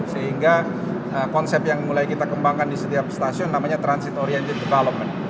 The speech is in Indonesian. sehingga konsep yang mulai kita kembangkan di setiap stasiun namanya transit oriented development